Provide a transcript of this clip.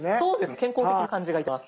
健康的な感じがいたします。